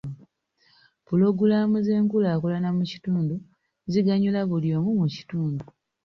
Pulogulaamu z'enkulaakulana mu kitundu ziganyula buli omu mu kitundu.